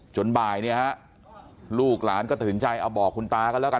บ่ายเนี่ยฮะลูกหลานก็ตัดสินใจเอาบอกคุณตากันแล้วกัน